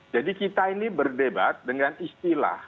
jadi kita ini berdebat dengan istilah